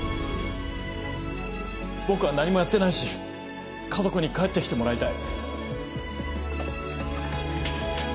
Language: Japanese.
僕は何もやってないし家族に帰って来てもらいたい。